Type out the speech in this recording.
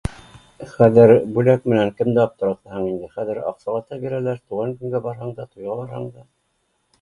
Хәҙер бүләк менән кемде аптыратаһың инде, хәҙер аҡсалата бирәләр тыуған көнгә барһаңда, туйға барһаңда